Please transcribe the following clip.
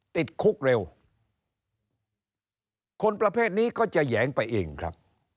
ติดคุกเร็วคนประเภทนี้ก็จะแหยงไปเองครับ